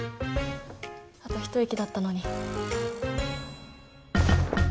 あと一息だったのに。